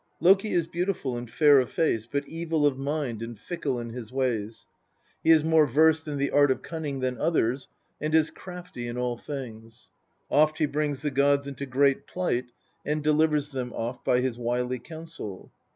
Loki is beautiful and fair of face, but evil of mind and fickle in his ways. He is more versed in the art of cunning than others, and is crafty in all things. Oft he brings the gods into great plight, and delivers them oft by his wily counsel."